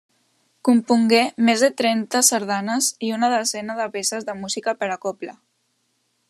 Compongué més de trenta sardanes i una desena de peces de música per a cobla.